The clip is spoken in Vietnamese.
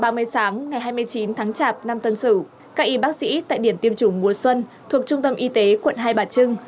tám giờ ba mươi sáng ngày hai mươi chín tháng chạp năm tân sử các y bác sĩ tại điểm tiêm chủng mùa xuân thuộc trung tâm y tế quận hai bà trưng